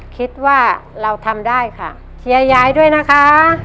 คิดว่าเราทำได้ค่ะเชียร์ยายด้วยนะคะ